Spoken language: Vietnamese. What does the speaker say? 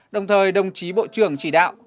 đồng thời đồng chí bộ trưởng chỉ đạo